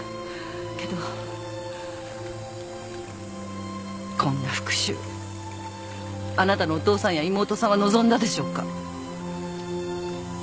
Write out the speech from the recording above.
けどこんな復讐あなたのお父さんや妹さんは望んだでしょうか？